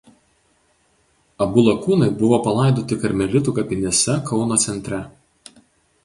Abu lakūnai buvo palaidoti Karmelitų kapinėse Kauno centre.